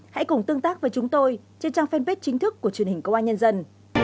hãy cùng tương tác với chúng tôi trên trang fanpage chính thức của truyền hình công an nhân dân